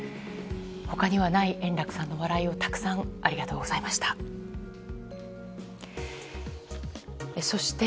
他にはない円楽さんの笑いをありがとうございました。